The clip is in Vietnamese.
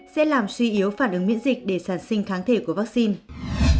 sẽ làm suy yếu phản ứng miễn dịch để sản sinh kháng thể của vaccine